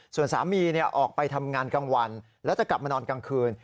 ส่วนสามีออกไปทำงานกลางวันแล้วจะกลับมานอนกลางคืน